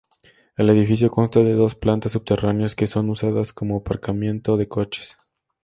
El edificio consta de dos plantas subterráneas que son usadas como aparcamiento de coches.